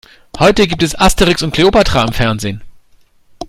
Heute gibt es Asterix und Kleopatra im Fernsehen.